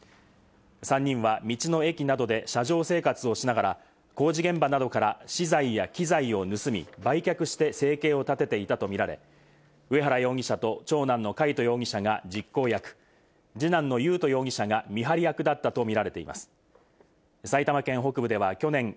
３人は道の駅などで車上生活をしながら工事現場などから資材や機材を盗み、売却して生計を立てていたとみられ、上原容疑者と長男の魁斗容疑者が実行役、二男の優斗容疑者が見張り役だったとみられています。